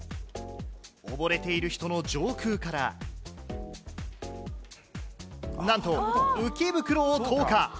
溺れている人の上空からなんと、浮き袋を投下。